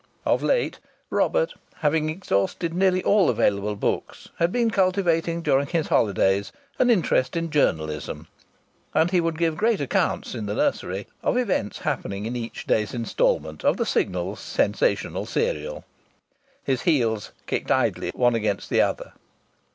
Of late Robert, having exhausted nearly all available books, had been cultivating during his holidays an interest in journalism, and he would give great accounts, in the nursery, of events happening in each day's instalment of the Signal's sensational serial. His heels kicked idly one against the other.